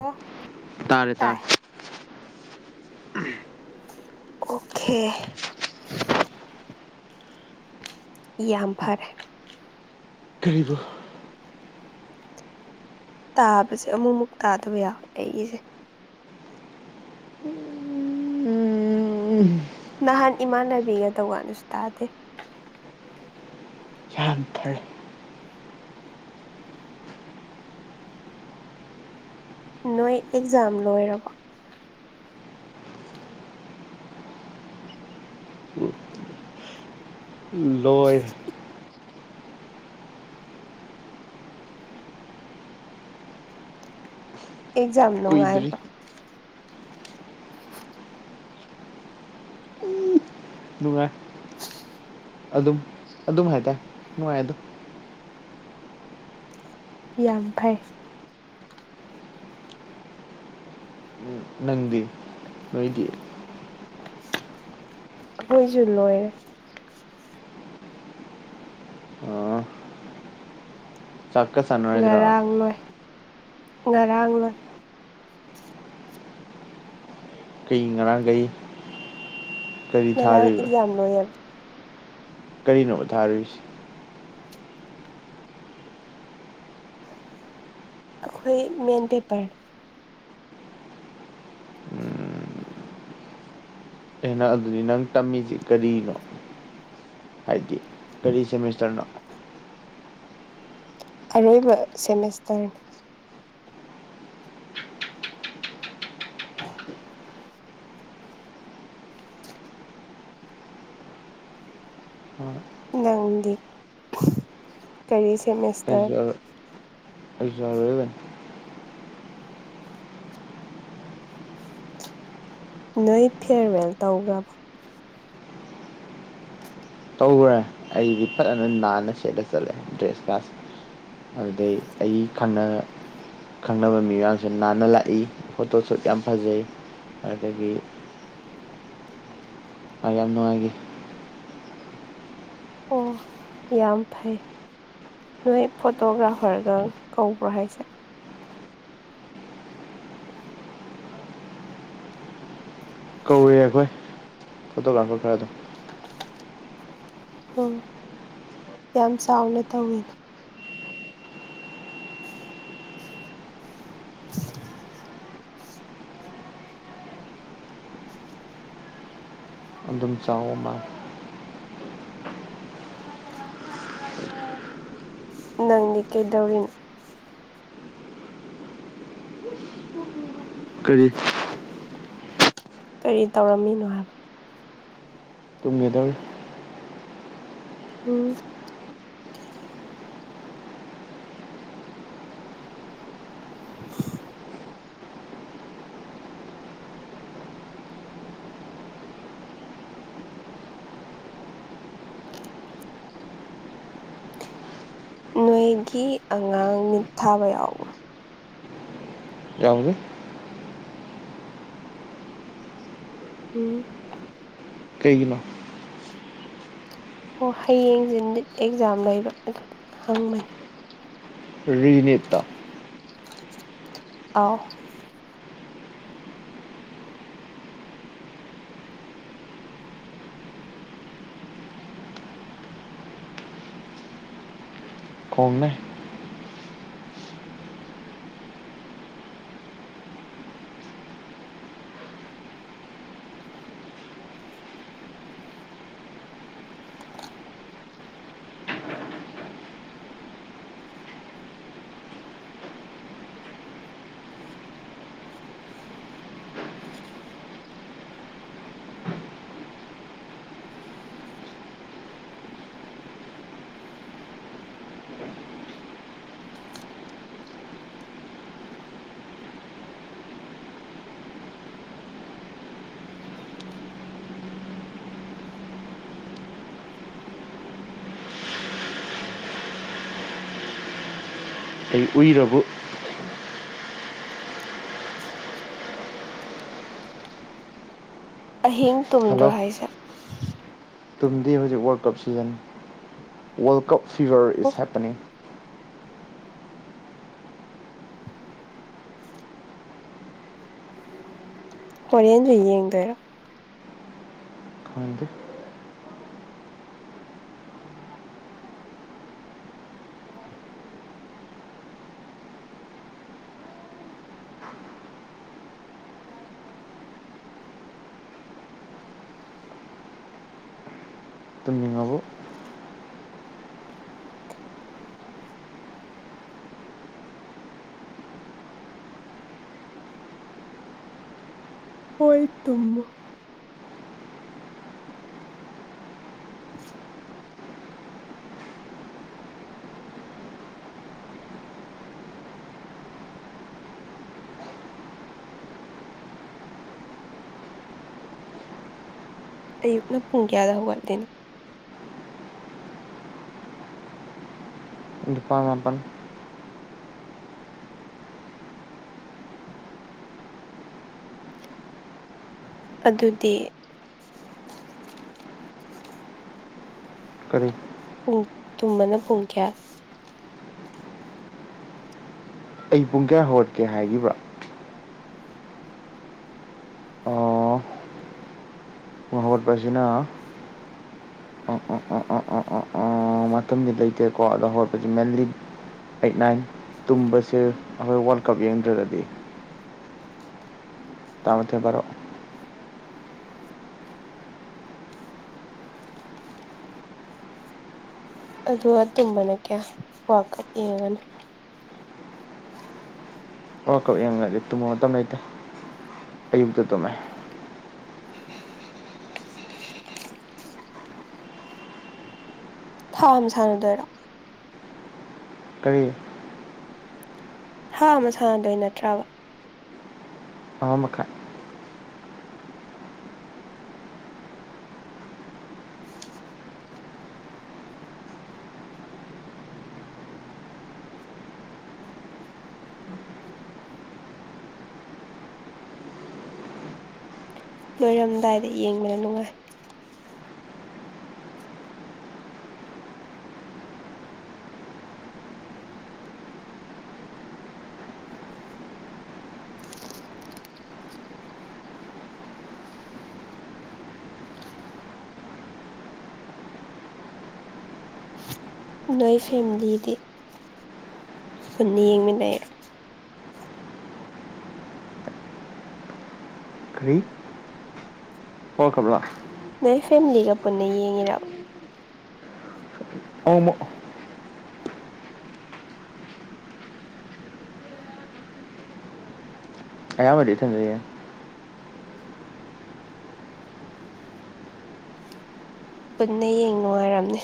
ꯑꯣ ꯇꯥꯔꯦ ꯇꯥꯏ ꯇꯔꯦ [inaudible] ꯑꯣꯈꯦ ꯌꯥꯝ ꯐꯔꯦ ꯀꯔꯤꯕꯨ ꯇꯥꯕꯁꯦ ꯑꯃꯨꯛꯃꯨꯛ ꯇꯥꯗꯕ ꯌꯥꯎꯋꯦ ꯑꯩꯒꯤꯁꯦ ꯎꯝ ꯅꯍꯥꯟ ꯏꯃꯥꯟꯅꯕꯤꯒ ꯇꯧꯀꯥꯟꯗꯁꯨ ꯇꯥꯗꯦ [inaudible] ꯅꯣꯏ ꯑꯦꯛꯖꯥꯝ ꯂꯣꯏꯔꯕꯣ ꯂꯣꯏ ꯑꯦꯛꯖꯥꯝ ꯀꯨꯏꯗ꯭ꯔꯤ ꯅꯨꯡꯉꯥꯏꯕ꯭ꯔꯣ ꯅꯨꯡꯉꯥꯏ ꯑꯗꯨꯝ ꯑꯗꯨꯝ ꯍꯥꯏꯇꯥꯔꯦ ꯅꯨꯡꯉꯥꯏꯗꯣ ꯌꯥꯝ ꯐꯩ ꯅꯪꯗꯤ ꯅꯣꯏꯗꯤ ꯈꯣꯏꯁꯨ ꯂꯣꯏꯔꯦ ꯆꯥꯛꯀ ꯆꯥꯅꯔꯣꯏꯗ꯭ꯔꯣ ꯉꯔꯥꯡ ꯂꯣꯏ ꯉꯔꯥꯡ ꯂꯣꯏ ꯀꯩ ꯉꯔꯥꯡ ꯀꯔꯤ ꯉꯔꯥꯡ ꯑꯦꯛꯖꯥꯝ ꯂꯣꯏꯌꯦꯕ ꯀꯔꯤꯅꯣ ꯊꯥꯔꯨꯔꯤꯁꯤ ꯑꯩꯈꯣꯏ ꯃꯦꯟ ꯄꯦꯄꯔ ꯑꯦ ꯑꯗꯨꯗꯤ ꯅꯪ ꯇꯝꯃꯤꯁꯤ ꯀꯔꯤꯅꯣ ꯍꯥꯏꯗꯤ ꯀꯔꯤ ꯁꯦꯃꯤꯁꯇꯔꯅꯣ ꯑꯔꯣꯏꯕ ꯁꯦꯃꯔꯁꯇꯔꯅꯤ [inaudible] ꯅꯪꯗꯤ ꯀꯔꯤ ꯁꯦꯃꯤꯁꯇꯔ ꯑꯩꯖꯨ ꯑꯔꯣꯏꯕꯅꯤ ꯅꯣꯏ ꯐꯤꯌ꯭ꯔꯋꯦꯜ ꯇꯧꯈ꯭ꯔꯕꯣ ꯇꯧꯈ꯭ꯔꯦ ꯑꯩꯗꯤ ꯐꯖꯅ ꯅꯥꯟꯅ ꯁꯦꯠꯂ ꯆꯠꯂꯦ ꯗ꯭ꯔꯦꯁ ꯀꯥꯁ ꯑꯗꯨꯗꯩ ꯑꯩ ꯈꯪꯅꯕ ꯃꯤ ꯃꯌꯥꯝꯁ ꯅꯥꯟꯅ ꯂꯥꯛꯏ ꯐꯣꯇꯣ ꯁꯨꯠ ꯌꯥꯝ ꯐꯖꯩ ꯑꯗꯨꯗꯒꯤ ꯑ ꯌꯥꯝ ꯅꯨꯡꯉꯥꯏꯒꯤ ꯑꯣ ꯌꯥꯝ ꯐꯩ ꯅꯣꯏ ꯐꯣꯇꯣꯒ꯭ꯔꯥꯐꯔꯒ ꯀꯧꯕ꯭ꯔꯥ ꯍꯥꯏꯁꯦ ꯀꯧꯋꯦ ꯑꯩꯈꯣꯏ ꯐꯣꯇꯣꯒ꯭ꯔꯥꯐꯔ ꯈꯔ ꯑꯗꯨꯝ ꯎꯝ ꯌꯥꯝ ꯆꯥꯎꯅ ꯇꯧꯋꯤꯅꯦ [inaudible] ꯑꯗꯨꯝ ꯆꯥꯎ ꯑꯃ ꯅꯪꯗꯤ ꯀꯩꯗꯧꯔꯤꯅꯣ ꯀꯔꯤ ꯀꯔꯤ ꯇꯧꯔꯝꯃꯤꯅꯣ ꯍꯥꯏꯕ ꯇꯨꯡꯒꯤꯗꯧꯔꯦ ꯎꯝ ꯑ [inaudible] ꯅꯣꯏꯒꯤ ꯑꯉꯥꯡ ꯅꯤꯠꯊꯥꯕ ꯌꯥꯎꯕ꯭ꯔꯥ ꯌꯥꯎꯒꯦ ꯎꯝ ꯀꯩꯒꯤꯅꯣ ꯑꯣ ꯍꯌꯦꯡꯁꯤ ꯠ ꯑꯦꯛꯖꯥꯝ ꯂꯩꯕ ꯑꯗꯨꯗ ꯍꯪꯕꯅꯤ ꯔꯤꯅꯤꯇꯥ ꯑꯧ ꯈꯣꯝꯃꯦ ꯑꯩ ꯎꯏꯔꯕ ꯑꯍꯤꯡ ꯇꯨꯝꯗ꯭ꯔꯣ ꯍꯥꯏꯁꯦ ꯇꯨꯡꯗꯤ ꯍꯧꯖꯤꯛ world cup season world cup fever ꯑꯣ ꯏꯁ ꯍꯦꯞꯄꯅꯤꯡ ꯍꯣꯔꯦꯅꯖꯌꯦ ꯌꯦꯡꯗꯔ ꯍꯗꯤ ꯇꯨꯝꯅꯤꯡꯉꯕꯨ ꯍꯣꯏ ꯇꯨꯝꯃꯨ ꯑꯌꯨꯛꯅ ꯄꯨꯡ ꯀꯌꯥꯗ ꯍꯒꯗꯅ ꯗꯨꯐꯥꯡꯄ ꯑꯗꯨꯗꯤ ꯀꯔꯤ ꯄꯨꯡ ꯇꯨꯝꯃꯅ ꯄꯨꯡ ꯀꯌꯥ ꯑꯩ ꯄꯨꯡ ꯀꯌꯥ ꯍꯧꯔꯠꯀꯦ ꯍꯥꯏꯈꯤꯕ꯭ꯔꯥ ꯑꯣ ꯍꯧꯒꯠꯄꯁꯤꯅ ꯑꯣ ꯑꯣ ꯑꯣ ꯑꯣ ꯑꯣ ꯑꯣ ꯑꯣ ꯃꯇꯝꯗꯤ ꯂꯩꯇꯦꯀꯣ ꯑꯗꯣ ꯍꯧꯔꯠꯄꯁ ꯃꯦꯟꯂꯤ ꯑꯩꯠ ꯅꯥꯏꯟ ꯇꯨꯝꯕꯁꯦ ꯑꯩꯈꯣꯏ ꯋꯥꯔꯜ ꯀꯞ ꯌꯦꯡꯗ꯭ꯔꯒꯗꯤ ꯇꯥꯃꯊꯕꯔꯣꯑꯣ ꯑꯗꯨꯝꯕꯅ ꯀꯌꯥ ꯋꯥ ꯀꯞ ꯌꯦꯡꯉꯒꯅꯨ ꯑꯣ ꯀꯛꯡ ꯇꯨꯝꯃ ꯃꯇꯝ ꯂꯩꯇꯦ ꯑꯌꯨꯛꯇ ꯇꯨꯝꯃꯦ ꯊꯥ ꯑꯃ ꯁꯥꯟꯅꯗꯣꯏꯔꯣ ꯀꯔꯤ ꯍꯥꯥ ꯑꯃ ꯁꯥꯟꯅꯗꯣꯏ ꯅꯠꯇ꯭ꯔꯕ ꯑꯍꯃꯀꯥꯟ ꯂꯣꯏꯔꯝꯗꯥꯏꯗ ꯌꯦꯡꯕꯅ ꯅꯨꯡꯉꯥꯏ ꯅꯣꯏ ꯐꯦꯃꯤꯂꯤꯗꯤ ꯄꯨꯟꯅ ꯌꯦꯡꯃꯤꯟꯅꯩ ꯀꯔꯤ [unintelligible] ꯅꯣꯏ ꯐꯦꯃꯤꯂꯤꯒ ꯄꯨꯟꯅ ꯌꯦꯡꯉꯤ [unintelligible] ꯑꯌꯝꯕꯗꯤ ꯊꯦꯡꯅꯩꯌꯦ ꯄꯨꯟꯅ ꯌꯦꯡ ꯅꯨꯡꯉꯥꯏꯔꯝꯅꯦ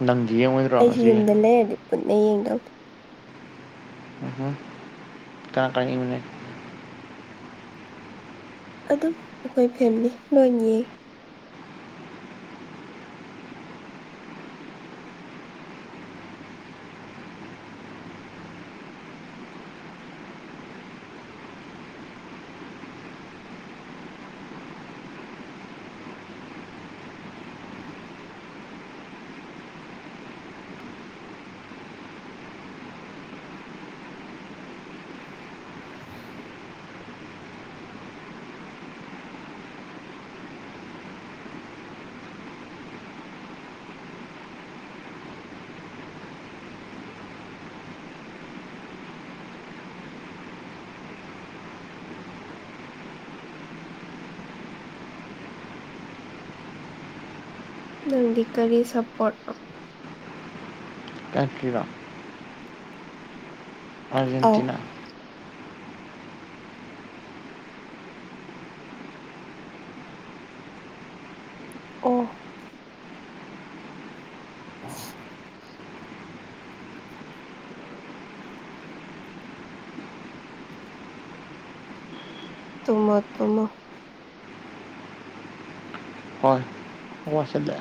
ꯅꯪ ꯑꯩꯁꯨ ꯌꯨꯝꯗ ꯂꯩꯔꯗꯤ ꯄꯨꯟꯅ [unintelligible] ꯎꯝ ꯀꯅꯥ ꯀꯃꯤꯟꯅ ꯑꯗꯨꯝ ꯑꯩꯈꯣꯏ ꯐꯦꯃꯤꯂꯤ ꯂꯣꯏ ꯌꯦꯡ ꯅꯪꯗꯤ ꯀꯔꯤ ꯁꯞꯄꯣꯔꯠ ꯀꯇꯔꯤꯗ ꯑꯧ ꯑꯔꯖꯦꯟꯇꯤꯅꯥ ꯑꯣ [unintelligible] ꯇꯨꯝꯃꯣ ꯇꯨꯝꯃꯣ ꯍꯣꯏ ꯍꯁꯗ